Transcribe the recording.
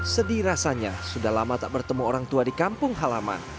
sedih rasanya sudah lama tak bertemu orang tua di kampung halaman